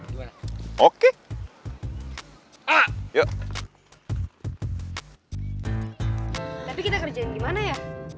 tapi kita kerjain gimana ya